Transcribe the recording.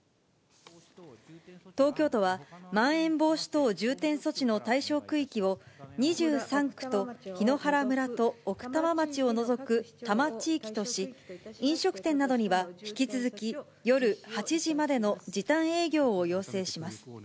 東京都は、まん延防止等重点措置の対象区域を、２３区と檜原村と奥多摩町を除く多摩地域とし、飲食店などには引き続き夜８時までの時短営業を要請します。